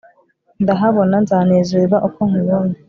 ndahabona nzanezerwa uko nkubonye